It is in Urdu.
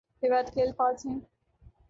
روایت کے الفاظ ہیں